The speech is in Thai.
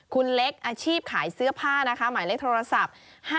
คุณเล็กอาชีพขายเสื้อผ้านะคะหมายเลขโทรศัพท์